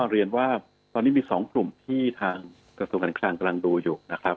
เรียนว่าตอนนี้มี๒กลุ่มที่ทางกระทรวงการคลังกำลังดูอยู่นะครับ